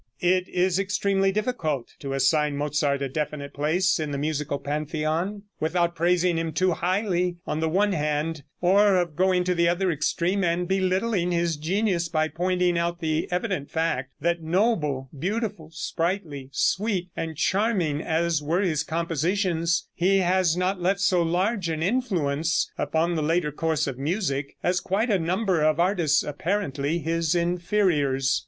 It is extremely difficult to assign Mozart a definite place in the musical Pantheon without praising him too highly on the one hand, or going to the other extreme and belittling his genius by pointing out the evident fact that noble, beautiful, sprightly, sweet and charming as were his compositions, he has not left so large an influence upon the later course of music as quite a number of artists apparently his inferiors.